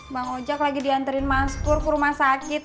bang ojak lagi diantarin mas pur ke rumah sakit